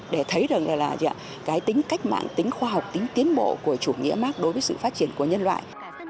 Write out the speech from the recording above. để thấy rằng là cái tính cách mạng tính khoa học tính tiến bộ của chủ nghĩa mark đối với sự phát triển của nhân loại